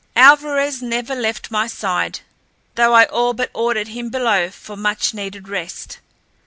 Alvarez never left my side, though I all but ordered him below for much needed rest.